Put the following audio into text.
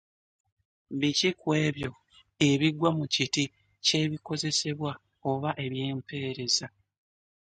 Biki ku ebyo ebigwa mu kiti ky’ebikozesebwa oba ebyempeereza?